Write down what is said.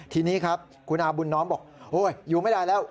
ทีนี้ครับคุณอาบุญน้อมบอกโอ้ยอยู่ไม่ได้แล้ว